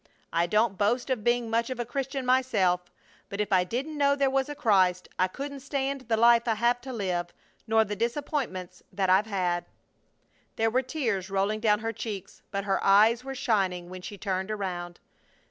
I don't boast of being much of a Christian myself, but if I didn't know there was a Christ I couldn't stand the life I have to live, nor the disappointments that I've had." There were tears rolling down her cheeks, but her eyes were shining when she turned around.